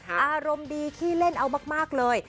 อารมณ์ดีขี้เล่นเอามากเลย